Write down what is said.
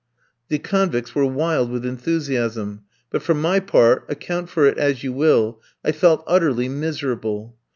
The convicts were wild with enthusiasm; but, for my part, account for it as you will, I felt utterly miserable.